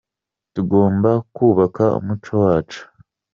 Tugomba kubaka umuco wacu.